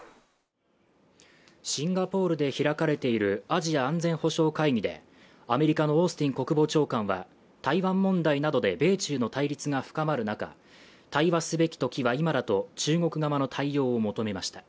シンガポールで開かれているアジア安全保障会議でアメリカのオースティン国防長官は台湾問題などで米中の対立が深まる中、対話すべきときは今だと、中国側の対応を求めました。